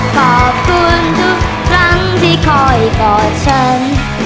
ขอบคุณทุกครั้งที่คอยกอดฉัน